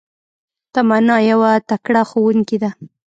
تمنا يو تکړه ښوونکي ده